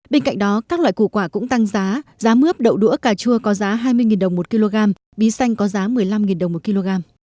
bên cạnh đó các loại củ quả cũng tăng giá giá mướp đậu đũa cà chua có giá hai mươi đồng một kg bí xanh có giá một mươi năm đồng một kg